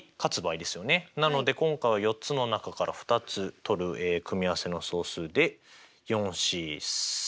なので今回は４つの中から２つ取る組合せの総数でＣ。